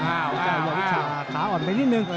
อ้าวอ้าวอ้าว